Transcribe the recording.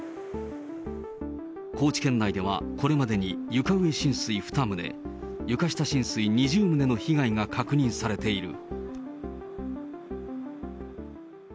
高知県内ではこれまでに床上浸水２棟、床下浸水２０棟の被害が確認されている。